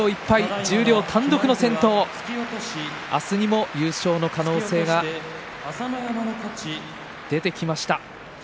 十両単独の先頭あすにも優勝の可能性が出てきました。